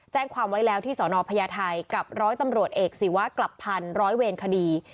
แจ้งความไว้แล้วที่สนพญาไทยกับร้อยตำรวจเอกศีวะกลับพันร้อยเวรคดี